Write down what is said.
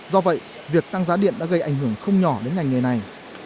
do vậy việc tăng giá điện đã gây ảnh hưởng không nhỏ đến ngành nghề này